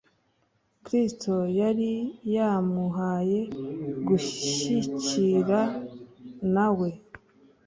Kristo yari yamuhaye gushyikiraua na we,